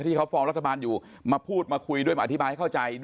ที่เขาฟอร์มรัฐบาลอยู่มาพูดมาคุยด้วยมาอธิบายให้เข้าใจ